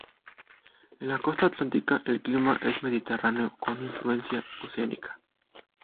En la costa atlántica, el clima es mediterráneo con influencia oceánica.